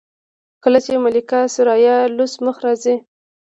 کله چې ملکه ثریا لوڅ مخ راځي.